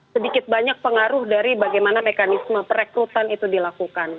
sedikit banyak pengaruh dari bagaimana mekanisme perekrutan itu dilakukan